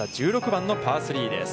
１６番のパー３です。